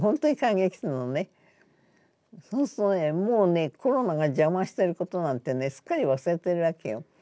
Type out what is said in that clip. もうねコロナが邪魔してることなんてねすっかり忘れてるわけよ。